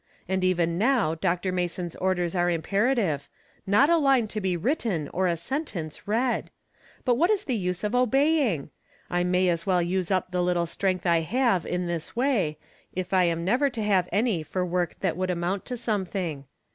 And even now Dr. Mason's orders are imperative — not a line to be written or a sentence read ! But what is the use of obeying ? I may as well use up the little strength I have in this way, if I am never to have any for work that would amount to something.